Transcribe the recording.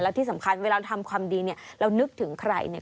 ที่สำคัญเวลาทำความดีเนี่ยเรานึกถึงใครเนี่ย